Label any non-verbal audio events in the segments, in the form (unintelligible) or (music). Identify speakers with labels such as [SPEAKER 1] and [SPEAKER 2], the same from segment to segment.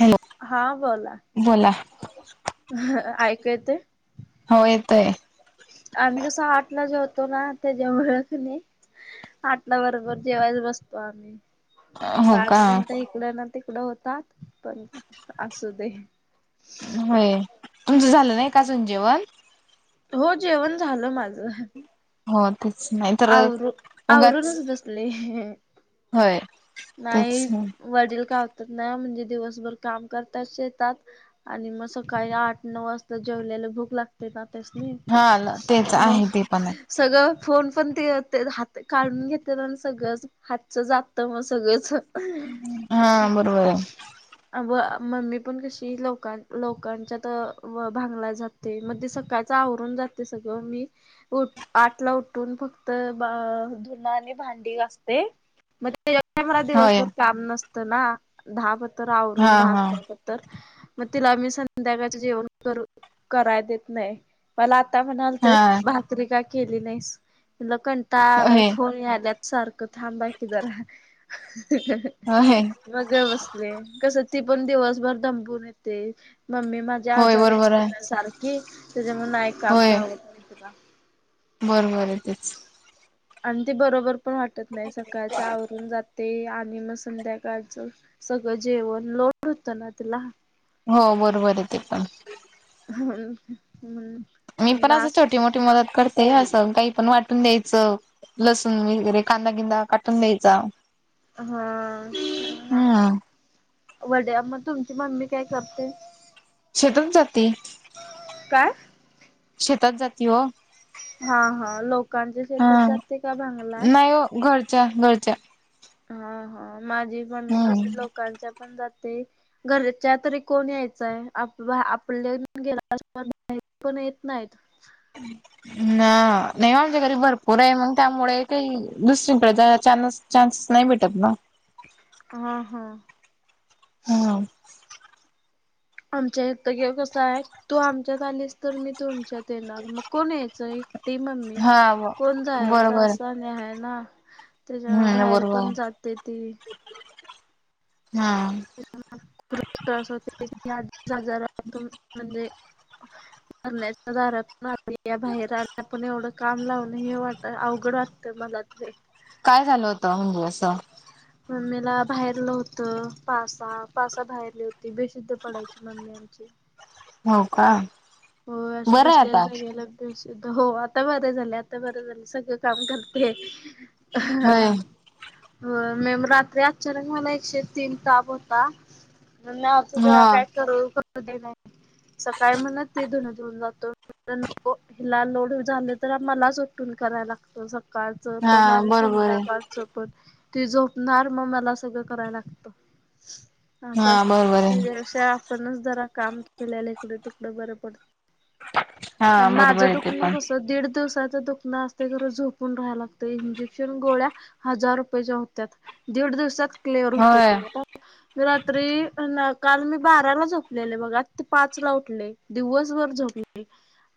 [SPEAKER 1] Hello
[SPEAKER 2] हा बोला,
[SPEAKER 1] बोला
[SPEAKER 2] अह ऐकु येते?
[SPEAKER 1] हो येतय.
[SPEAKER 2] आम्ही कसं आठला जेवतो ना त्याच्या ओळख नाही. आटला बरोबर जेवायला बसतो आम्ही‌.
[SPEAKER 1] हो
[SPEAKER 2] पाच
[SPEAKER 1] का
[SPEAKER 2] मिनिटं इकड ना तिकडं होता पण असू दे.
[SPEAKER 1] होय तुमचं झालं नाही का अजुन जेवण?
[SPEAKER 2] हो, जेवण झालं माझं.
[SPEAKER 1] हो तेच नाही तर
[SPEAKER 2] आवरू
[SPEAKER 1] उगच
[SPEAKER 2] आवरूनच बसले.
[SPEAKER 1] होय, तेच
[SPEAKER 2] नाही
[SPEAKER 1] ना.
[SPEAKER 2] वडील कावतात ना, म्हणजे दिवसभर काम करतात शेतात आणि म सकाळी आठ-नऊ वाजता जेवलेलं भूक लाग ते त्यासनी
[SPEAKER 1] हा तेच
[SPEAKER 2] मग
[SPEAKER 1] आहे ते पण आहे
[SPEAKER 2] सगळं फोन पण ते हात काढून घेतील सगळंच हातचं जात मग सगळंच.
[SPEAKER 1] हा बरोबर आहे
[SPEAKER 2] (unintelligible) अगं मम्मी पण कशी लोकां लोकांच्यात भांगलाय जा ते मग ते सकाळचं आवरून जाते सगळं, मी उ आठला उठ उठुन फक्त ब धुनं आणि भांडी घासते. मग तेवढं मला
[SPEAKER 1] होय
[SPEAKER 2] दिवसभर काम नसतं ना दहा पतर
[SPEAKER 1] हा
[SPEAKER 2] आवरून दहा
[SPEAKER 1] हा
[SPEAKER 2] तर मग तिला मी संध्याकाळचं जेवण करु कराय देत नाही. मला आता म्हणालते,
[SPEAKER 1] हा
[SPEAKER 2] भाकरी का केली नाहीस? म्हणलं कंटाळा आलाय
[SPEAKER 1] होय
[SPEAKER 2] फोन याल्यात. सारखं थांबा की जरा.
[SPEAKER 1] हा हाय.
[SPEAKER 2] मग गप बसले कसं ती पण दिवसभर दंबुन येते, मम्मी मा झी
[SPEAKER 1] होय
[SPEAKER 2] आजारी
[SPEAKER 1] बरोबर
[SPEAKER 2] असते
[SPEAKER 1] आहे
[SPEAKER 2] ना सारखी त्याच्यामुळे नाही काम
[SPEAKER 1] होय
[SPEAKER 2] लावत.
[SPEAKER 1] बरोबर आहे तेच.
[SPEAKER 2] आणि ते बरोबर पण वाटत नाही सकाळचं आवरून जाते आणि मग संध्या काळचं सगळं जेवण लोड होत ना तिला.
[SPEAKER 1] हो बरोबर आहे ते पण.
[SPEAKER 2] हम् हम्म.
[SPEAKER 1] मी पण असं छोटी मोठी मदत करते असं काही पण वाटून द्यायचं लसूण वगैरे कांदा बिंदा काटून द्यायचा.
[SPEAKER 2] हा हा
[SPEAKER 1] हम्म
[SPEAKER 2] वड्या, मग तुमची मम्मी काय करते?
[SPEAKER 1] शेतात जाती,
[SPEAKER 2] काय?
[SPEAKER 1] शेतात जाती ओ.
[SPEAKER 2] हा हा, लोकांच्या शेतात जाते का भांगलाय?
[SPEAKER 1] नाही हो घरच्या घरच्या.
[SPEAKER 2] हा हा माझी मम्मी कशी
[SPEAKER 1] हम्म
[SPEAKER 2] लोकांच्या पण जाते घरच्या तरी कोण यायचयं आपले गेला (unintelligible) बाहेर पण येत नाहीत.
[SPEAKER 1] (unintelligible) ना नाही आमच्या घरी भरपूर आहे मग त्यामुळे काही दुसरीकडे जायाय चानस चान्स नाही भेटत ना.
[SPEAKER 2] हा हा.
[SPEAKER 1] हा.
[SPEAKER 2] आमच्या इथं ग कसं आहे, तू आमच्यात आलीस तर मी तुमच्यात येणार, मग कोण यायचंय ती मम्मी
[SPEAKER 1] हा
[SPEAKER 2] कोण जायचा
[SPEAKER 1] बरोबर
[SPEAKER 2] असं आणि हाय ना. त्यांच्यामुळं
[SPEAKER 1] हम्म
[SPEAKER 2] बाहेर
[SPEAKER 1] बरोबर
[SPEAKER 2] पण जाते ती.
[SPEAKER 1] हा.
[SPEAKER 2] खुप त्रास होतोय ती आधीचं आजारातुन म्हणजे
[SPEAKER 1] (unintelligible)
[SPEAKER 2] मरण्याच्या दारातून बाहेर आल्या, पण एवढं काम लावणं हे वाट अवघड वाटतंय मला तरी.
[SPEAKER 1] काय झालं होतं म्हणजे असं?
[SPEAKER 2] मम्मीला बाहेरलं होतं पासा पासा बाहेरली होती, बेशुद्ध पडायची म म्मी आमची.
[SPEAKER 1] हो का?
[SPEAKER 2] होय अशी
[SPEAKER 1] बरं आहे आता
[SPEAKER 2] बसलेल्या जागेलाच बेशुद्ध हो आता बरं झाले आता बरं झालं सगळ काम करते. ''हां''
[SPEAKER 1] होय
[SPEAKER 2] हा, होय मी मी रात्री अचानक मला एकशे तीन ताप होता. म्हणून आज
[SPEAKER 1] हा
[SPEAKER 2] जरा काय करू करू दीना की, सकाळी म्हणत. ती धुणं धुऊन जातो मी म्हणलं की, नको तिला लोड झालं तर मलाच उटून करायला लागतं सगळं. सकाळचं
[SPEAKER 1] हा
[SPEAKER 2] पण आणि
[SPEAKER 1] बरोबर आहे
[SPEAKER 2] संध्याकाळ. च पण ती झोपणार मग मला सगळं कराय लागतं. असं
[SPEAKER 1] हा
[SPEAKER 2] असतं
[SPEAKER 1] बरोबर आहे
[SPEAKER 2] तेच्यापेक्षा आपणच जरा काम केलेलं इकडे तिकडं बरं पडतं.
[SPEAKER 1] हा
[SPEAKER 2] आणि
[SPEAKER 1] बरोबर
[SPEAKER 2] माझं
[SPEAKER 1] आहे ते
[SPEAKER 2] दुखणं
[SPEAKER 1] पण
[SPEAKER 2] कस दीड दिवसाचं दुख''--'' णं असतयं खरं झोपून राहाय लागतंय इंजेक्शन गोळ्या हजार रुपयच्या होत्यात. दीड दिवसात क्लेअर
[SPEAKER 1] होय
[SPEAKER 2] होतोय मी आता. ''मी रात्री काल मी बाराला झोपलेले बघा आता पाचला उठले. दिवसभर झोपले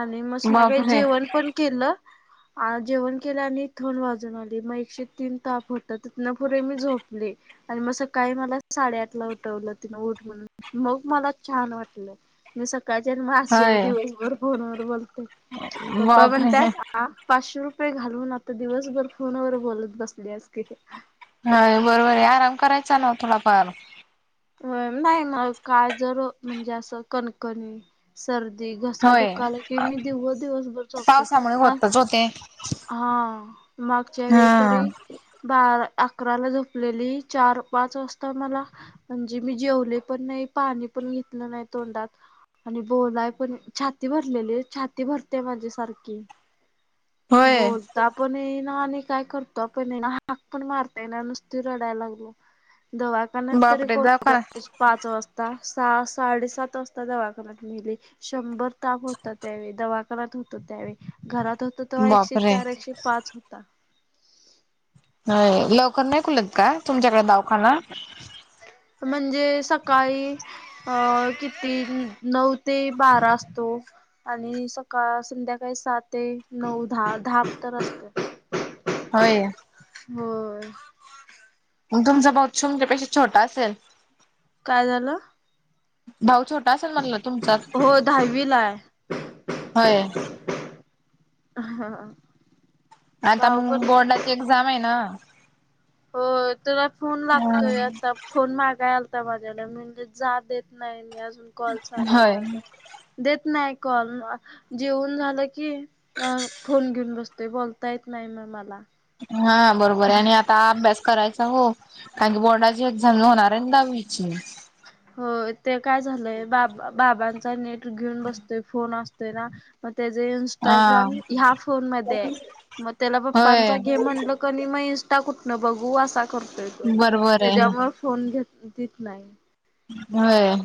[SPEAKER 2] आणि मग संध्याकाळी
[SPEAKER 1] बापरे
[SPEAKER 2] जेवण पण केलं. आ, जेवण केलं आणि थंड वाजून आली मग एकशे तीन ताप होता तिथनं पुढे मी झोपले. आणि मग सकाळी मला साडे आठ ला उठवलं तिनं उठ म्हणून. मग मला छान वाटलंय मी स''--'' सकाळच्यान मी अशी आहे
[SPEAKER 1] होय
[SPEAKER 2] दिवसभर फोन वर बोलतेय पप्पा म्हणत्यात.
[SPEAKER 1] बापरे
[SPEAKER 2] हा पाचशे रुपये घालवून आता दिवसभर फोनवर बोलत बसल्यास की, ग.
[SPEAKER 1] होय बरोबर आहे आराम करायचा ना थोडाफार.
[SPEAKER 2] होय नाही ना काय जर म्हणजे असं कणकणी. सर्दी घसा
[SPEAKER 1] होय
[SPEAKER 2] दुखाला कि, मी दिवस दिवसभर झोपतेय आ.
[SPEAKER 1] ओके.
[SPEAKER 2] हा, मागच्या वेळी तरी. बारा अकराला झोपलेली चार पाच वाजता मला. म्हणजे मी जेवले पण नाही पाणी पण घेतलं नाही तोंडात. आणि बोलाय पण छाती भरलेली छाती भरत्या माझी सारखी.
[SPEAKER 1] होय
[SPEAKER 2] बोल. उठता पण येईना आणि काय करता पण ईना हाक पण मारता ईना नुसती रडायला लागल्या. दवाखान्यात तरी
[SPEAKER 1] बापरे
[SPEAKER 2] कोण तर
[SPEAKER 1] दवाखाना
[SPEAKER 2] पाहिजे. पाच वाजता सहा साडेसात वाजता दवाखान्यात नेली. शंभर ताप होता त्यावेळी दवाखान्यात होतो त्यावेळी घरात होतो. तवा एकशे
[SPEAKER 1] बापरे
[SPEAKER 2] चार एकशे पाच होता.
[SPEAKER 1] नाही लवकर नाही खुलत का तुमच्याकडे दावाखाना.
[SPEAKER 2] म्हणजे सकाळी. अ, किती नऊ ते बारा असतो. आणि सकाळ संध्याकाळी सहा ते नऊ दहा पतुर असते.
[SPEAKER 1] होय.
[SPEAKER 2] होय.
[SPEAKER 1] ग तुमचा भाऊ तुमच्या पेक्षा छोटा असेल.
[SPEAKER 2] काय झालं.
[SPEAKER 1] भाऊ छोटा असेल म्हणला तुमचा
[SPEAKER 2] हो दहावीला आहे.
[SPEAKER 1] हय.
[SPEAKER 2] हा,
[SPEAKER 1] आता
[SPEAKER 2] भाऊ
[SPEAKER 1] मग
[SPEAKER 2] पण
[SPEAKER 1] बोर्डाची एक्झाम आहे ना.
[SPEAKER 2] हो, तुला फोन लागतोय आता. फोन मागायलता माझ्याला म्हणजे जा देत नाही मी अजून कॉल चालुय
[SPEAKER 1] होय
[SPEAKER 2] माझा. देत नाही. कॉल, जेवन झालं की, अ फोन घेऊन बसतोय बोलता येत नाही. मग मला
[SPEAKER 1] हा बरोबर आहे, आणि आ आ, अभ्यास करायचा हो कारण की बोर्डाची एक्झाम होणार आहे ना दहावीची?
[SPEAKER 2] हो ते काय झालंय, बा बाबांचा नेट घेऊन बसतोय फोन असतो. मग त्या
[SPEAKER 1] हा
[SPEAKER 2] ग्राम ह्या फोन मध्येय म त्याला पप्पाचा
[SPEAKER 1] होय
[SPEAKER 2] घे म्हटल. कधी, मग इंस्टा कुठनं बघू असा करतोय. तो
[SPEAKER 1] बरोबर आहे
[SPEAKER 2] त्याच्यामुळे फोन घेत देत नाही?
[SPEAKER 1] होय, !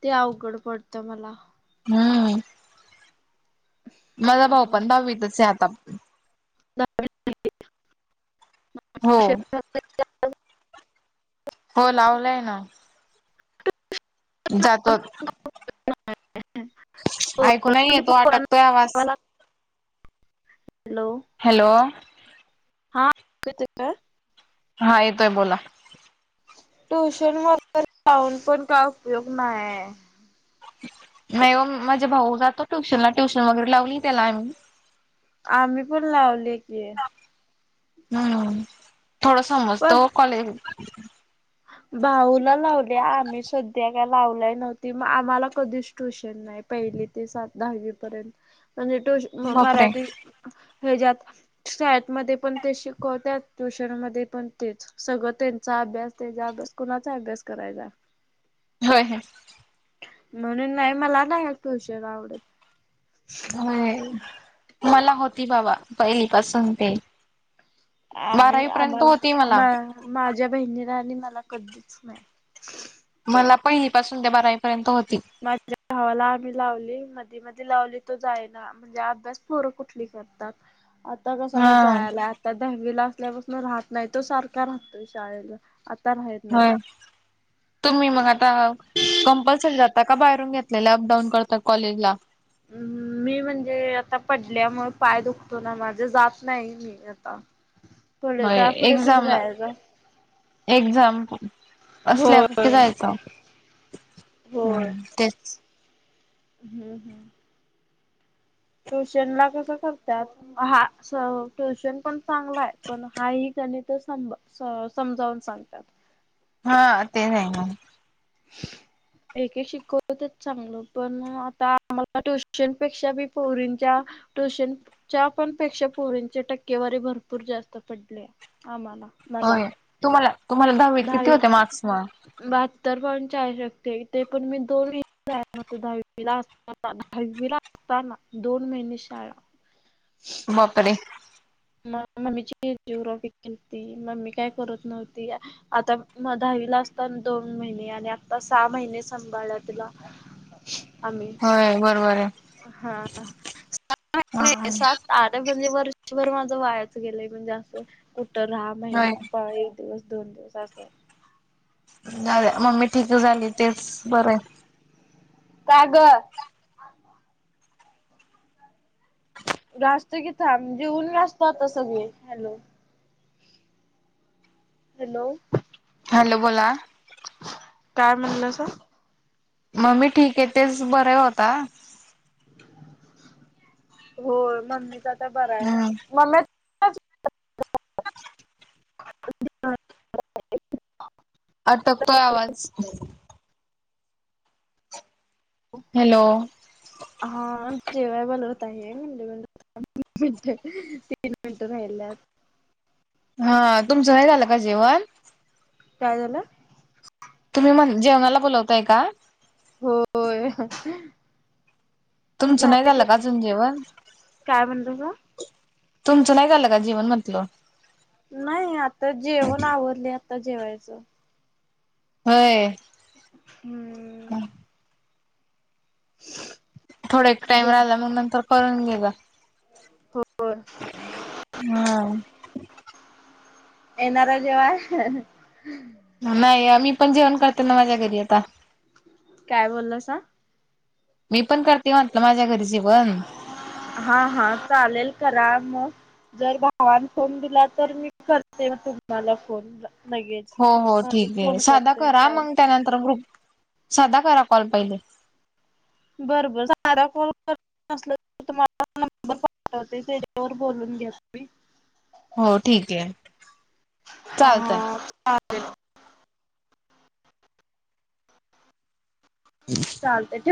[SPEAKER 2] ते, अवघड पडतं मला
[SPEAKER 1] हम्म, माझा भाऊ पण
[SPEAKER 2] आणि
[SPEAKER 1] दहावी तच आहे आता. हो
[SPEAKER 2] (inaudible)
[SPEAKER 1] हो लालाय ना. जातोच, ऐकू नाही येतो अटकतोय आवाज
[SPEAKER 2] हॅलो (unintelligible)
[SPEAKER 1] हॅलो!
[SPEAKER 2] हा, ऐकू येत काय
[SPEAKER 1] हा. येतोय बोला
[SPEAKER 2] ट्युशन म जाऊन पण काय उपयोग नाही.
[SPEAKER 1] नय हो माझे भाऊ जातो. ट्युशनला ट्युशन वगैरे लावली त्याला आम्ही.
[SPEAKER 2] आम्ही, ! पण लावली की
[SPEAKER 1] हम्म, ! थोडं
[SPEAKER 2] पण
[SPEAKER 1] समजतहो कॉलेज
[SPEAKER 2] भाऊला लावले आम्ही सध्या काय लावलाय नव्हती मग आम्हाला कधीच ट्यूशन नाही. पहिली ते सात दहावी पर्यंत म्हणजेो ट्युशन
[SPEAKER 1] बापरे
[SPEAKER 2] मराठी हच्यात (inaudible) शाळेत मध्ये, पण ते शिकवतात ट्युशन मध्ये, पण तेच सगळं त्यांचा अभ्यास. त्या अभ्यास कुणाचा अभ्यास करायला.
[SPEAKER 1] व्हहोय.
[SPEAKER 2] म्हणून नाही मला नाही ट्युशन आवडत.
[SPEAKER 1] व्हय मला होती बाबा पहिलीपासून ते,
[SPEAKER 2] आम्ही
[SPEAKER 1] बारावी पर्यंत होती मला
[SPEAKER 2] आम्हाला माझ्या बहिणीला आणि मला कधीच नाही.
[SPEAKER 1] मला पहिलीपासून ते बारावीपर्यंत होती.
[SPEAKER 2] माझ्या भावाला आम्ही लावली मधी मधी लावली तो जाय ना, म्हणजे अभ्यास पोर कुठली करतात आता का
[SPEAKER 1] हा
[SPEAKER 2] शाळेत जायला. दहावीला असल्यापासून राहत नाही, तो सारखा राहतोय शाळेला. राहत नाही.
[SPEAKER 1] होय... तुम्ही मग आता कंपल्सरी जाता का बाहेरून घेतलेलं अपडाऊन करता कॉलेजला.
[SPEAKER 2] हम्, मी म्हणजे आता पडल्यामुळे पाय दुखतो ना माझं जात नाही मी. पुढ,
[SPEAKER 1] होय
[SPEAKER 2] जा पुढे पुढे
[SPEAKER 1] एक्झामला
[SPEAKER 2] जायचं.
[SPEAKER 1] एक्झाम असल्यावर कुठे
[SPEAKER 2] होय
[SPEAKER 1] जायचं?
[SPEAKER 2] होय
[SPEAKER 1] हम्म तेचं.
[SPEAKER 2] हम्म, हम्म, ट्युशन ला कसं करतात. हा ट्युशन पण चांगला आहे पण हा गणित तर संभ.. स समजावून सांगत्यात
[SPEAKER 1] हा ते आहे मग (unintelligible)
[SPEAKER 2] एकेक शिकवतच चांगलं पण आता आम्हाला ट्युशन पेक्षा बी पोरींच्या ट्युशनच्या पण पेक्षा पोरींच्या टक्केवारी भरपूर जास्त पडली आम्हाला मला
[SPEAKER 1] होय तुम्हाला तुम्हाला दहावीत किती
[SPEAKER 2] दहावी
[SPEAKER 1] होते मार्क्स मग?
[SPEAKER 2] बहात्तर पॉईंट आहे शकते ते पण मी दोन दहावीला (unintelligible) दहावीला असताना दोन महिने शाळा
[SPEAKER 1] बापरे!
[SPEAKER 2] म मम्मीच अँजिओग्राफी केलती मम्मी काय करत नव्हती आता म दहावीला असता दोन महिने आणि आता सहा महिने सांभाळल्या तिला आम्ही
[SPEAKER 1] होय बरोबर आहे
[SPEAKER 2] हा
[SPEAKER 1] हा
[SPEAKER 2] आता म्हणजे वर्षभर माझं वायाच गेलंय म्हणजे असं कुठं राहा महिना
[SPEAKER 1] होय
[SPEAKER 2] प दिवस दोन दिवस असं
[SPEAKER 1] मम्मी ठीक झाली तेंच बरंय
[SPEAKER 2] का गं?
[SPEAKER 1] (unintelligible)
[SPEAKER 2] घासतो की थांब जीऊन घासतो आता सगळे हॅलो हॅलो
[SPEAKER 1] हॅलो बोला
[SPEAKER 2] काय म्हणला सा?
[SPEAKER 1] मम्मी ठीक आहे तेच बरय ओ आता
[SPEAKER 2] होय मम्मीच आता बर आहे
[SPEAKER 1] हम्म
[SPEAKER 2] मम्मे (unintelligible)
[SPEAKER 1] अटकतोय आवाज हॅलो
[SPEAKER 2] हा जेवायला बोलवत आहे (inaudible) तीन मिनटं राहिल्यात
[SPEAKER 1] हा तुमचं नाही झालं का जेवण?
[SPEAKER 2] काय झालं
[SPEAKER 1] तुम्ही म जेवणाला बोलवताय का
[SPEAKER 2] होय
[SPEAKER 1] तुमचं नाही झालं का अजून जेवण?
[SPEAKER 2] काय म्हणतासा
[SPEAKER 1] तुमच नाही झालं का जेवण म्हटलं?
[SPEAKER 2] नाही आता जेवण आवरलं आता जेवायचं
[SPEAKER 1] होय
[SPEAKER 2] हम्म (unintelligible)
[SPEAKER 1] थोड एक टाइम
[SPEAKER 2] जे
[SPEAKER 1] आला मग नंतर पळून गेल
[SPEAKER 2] हो
[SPEAKER 1] हा
[SPEAKER 2] येणारय जेवाय
[SPEAKER 1] नाही मी पण जेवण करते ना माझ्या घरी आता
[SPEAKER 2] काय बोललासा
[SPEAKER 1] मी पण करते म्हटलं माझ्या घरी जेवण
[SPEAKER 2] हा - हा चालेलं करा मग. जर भावानं फोन दिला तर, मी करते तुम्हाला फोन लगेच.
[SPEAKER 1] हो -हो ठीक आहे.
[SPEAKER 2] फोन
[SPEAKER 1] साधा
[SPEAKER 2] करते
[SPEAKER 1] करा मग
[SPEAKER 2] चालतंय
[SPEAKER 1] त्यानंतर ग्रुप साधा करा कॉल पहिले.
[SPEAKER 2] बरं - बरं साधा कॉल करते नसलं तर तुम्हाला. तेर बोलून घ्या तुम्ही. (inaudible)
[SPEAKER 1] हो ठीक आहे. चालतय.
[SPEAKER 2] चालेल.
[SPEAKER 1] हम्.
[SPEAKER 2] चालते ठेवू?